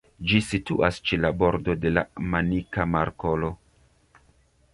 Ĝi situas ĉe la bordo de la Manika Markolo.